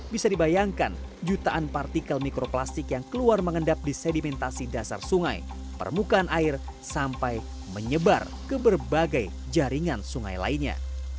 bisa dibayangkan jutaan partikel mikroplastik yang keluar mengendap di sedimentasi dasar sungai permukaan air sampai menyebar ke berbagai jaringan sungai lainnya